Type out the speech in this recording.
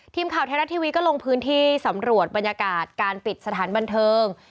ทีมข่าวไทยรัฐทีวีก็ลงพื้นที่สำรวจบรรยากาศการปิดสถานบันเทิง